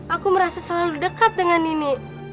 aku merasa selalu dekat dengan ini